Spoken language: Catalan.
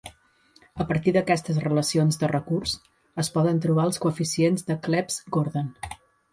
A partir d'aquestes relacions de recurs es poden trobar els coeficients de Clebsch-Gordan.